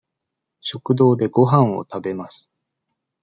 食堂でごはんを食べます。